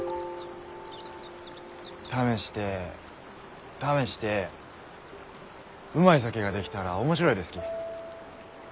試して試してうまい酒が出来たら面白いですき。